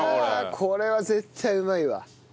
これは絶対うまいわ。